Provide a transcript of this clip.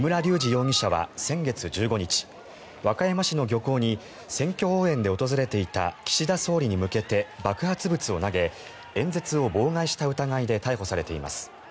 容疑者は先月１５日和歌山市の漁港に選挙応援で訪れていた岸田総理に向けて爆発物を投げ演説を妨害した疑いで逮捕されています。